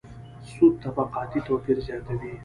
سود طبقاتي توپیر زیاتوي.